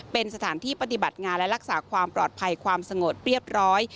เป็นสถานที่ปฏิบัติงานและรักษาความปลอดภัยความสงบเรียบร้อย